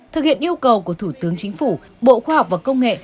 thực hiện yêu cầu của thủ tướng chính phủ bộ khoa học và công nghệ